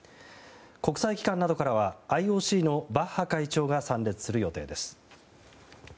国際機関などからはＩＯＣのバッハ会長が参列する予定です。